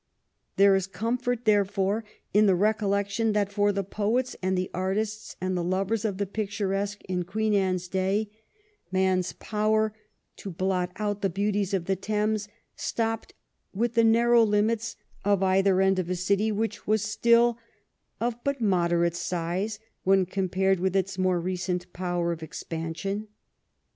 There is comfort, therefore, in the recollec tion that, for the poets, and the artists, and the lovers of the picturesque in Queen Anne's day, man's power to blot out the beauties of the Thames stopped with the narrow limits of either end of a city which was still of but moderate size when compared with its more recent power of expansion.